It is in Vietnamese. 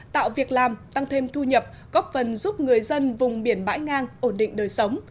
tạo việc làm tăng thêm thu nhập góp phần giúp người dân vùng biển bãi ngang ổn định đời sống